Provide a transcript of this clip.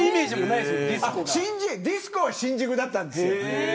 ディスコは、新宿だったんです。